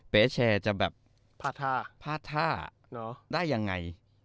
เป้เชียจะแบบพาท่าได้ยังไง